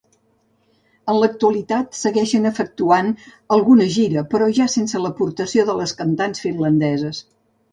En l'actualitat segueixen efectuant alguna gira però ja sense l'aportació de les cantants finlandeses.